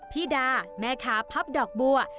พี่ดาแม่ค้าพับดอกบัว